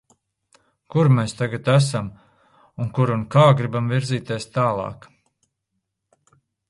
Kur mēs tagad esam un kur un kā gribam virzīties tālāk.